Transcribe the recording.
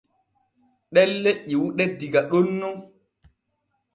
Ɗelle ƴiwuɗe diga ɗon nun.